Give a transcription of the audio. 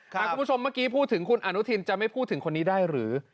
คุณผู้ชมเมื่อกี้พูดถึงคุณอนุทินจะไม่พูดถึงคนนี้ได้หรือ